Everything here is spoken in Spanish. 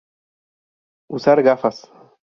Usa gafas.